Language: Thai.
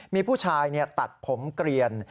มีผู้ชายตัดผมเกลียน